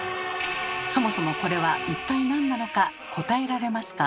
そもそもこれは一体なんなのか答えられますか？